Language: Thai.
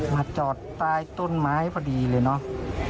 มาจอดใต้ต้นไม้พอดีเลยเนาะ